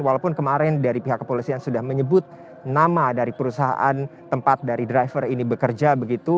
walaupun kemarin dari pihak kepolisian sudah menyebut nama dari perusahaan tempat dari driver ini bekerja begitu